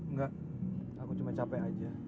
enggak aku cuma capek aja